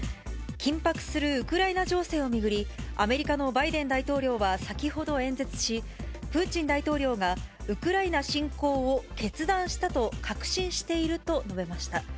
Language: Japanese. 緊迫するウクライナ情勢を巡り、アメリカのバイデン大統領は先ほど演説し、プーチン大統領がウクライナ侵攻を決断したと確信していると述べました。